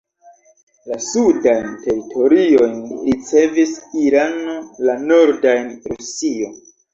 La sudajn teritoriojn ricevis Irano, la nordajn Rusio.